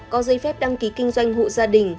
có giấy phép đăng ký kinh doanh hộ gia đình